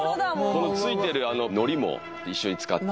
このついてるあののりも一緒に使って・